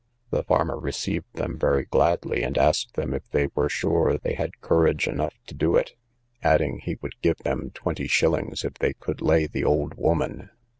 The farmer received them very gladly, and asked them if they were sure they had courage enough to do it, adding he would give them twenty shillings if they could lay the old woman.